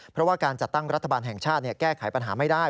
เพราะว่าการจัดตั้งรัฐบาลแห่งชาติแก้ไขปัญหาไม่ได้